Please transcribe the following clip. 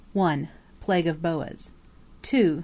Plague of boas. | 7.